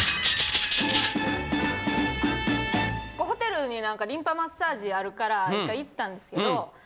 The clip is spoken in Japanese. ホテルにリンパマッサージあるから１回行ったんですけど。